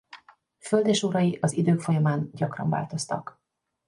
Földesurai az idők folyamán gyakran változtak.